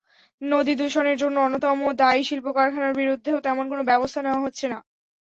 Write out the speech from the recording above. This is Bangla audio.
নদীদূষণের জন্য অন্যতম দায়ী শিল্পকারখানার বিরুদ্ধেও তেমন কোনো ব্যবস্থা নেওয়া হচ্ছে না।